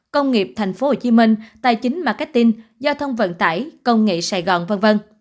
công nghiệp thành phố hồ chí minh tài chính marketing giao thông vận tải công nghệ sài gòn v v